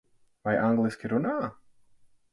Vai angliski runā?